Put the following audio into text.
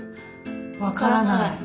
分からない。